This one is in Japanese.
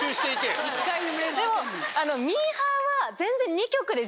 でも。